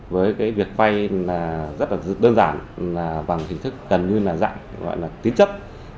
với việc vay rất đơn giản bằng hình thức gần như là dạng gọi là tín chất